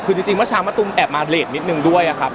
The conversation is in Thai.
คือจริงว่าช้ามาตุ้มแอบมาเรทนิดนึงด้วยครับ